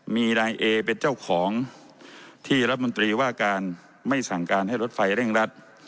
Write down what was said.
มีนายเอเป็นเจ้าของที่รัฐมนตรีว่าการไม่สั่งการให้รถไฟเร่งรัด